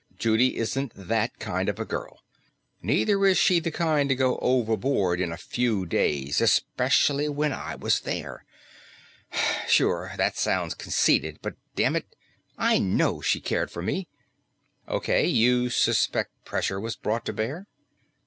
"Judy isn't that kind of a girl. Neither is she the kind to go overboard in a few days, especially when I was there. Sure, that sounds conceited, but dammit, I know she cared for me." "Okay. You suspect pressure was brought to bear?"